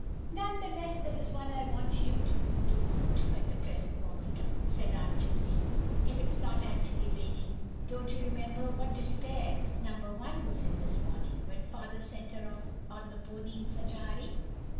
"Nevertheless, there is one I want you to do good to, at the present moment," said Aunt Judy—"if it is not actually raining. Don't you remember what despair No. 1 was in this morning, when father sent her off on the pony in such a hurry."